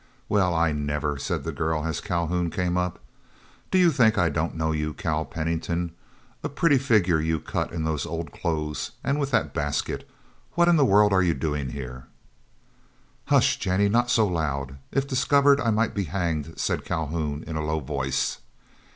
"Well, I never!" said the girl as Calhoun came up. "Do you think I don't know you, Cal Pennington? A pretty figure you cut in those old clothes, and with that basket. What in the world are you doing here?" "Hush, Jennie, not so loud. If discovered, I might be hanged," said Calhoun, in a low voice.